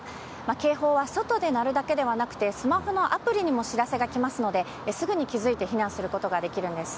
警報は外で鳴るだけではなくて、スマホのアプリにも知らせが来ますので、すぐに気付いて避難することができるんです。